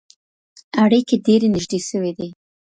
اړیکي ډېرې نږدې سوې دي.